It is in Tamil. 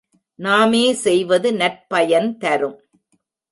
நாமே செய்வது நற்பயன் தரும்.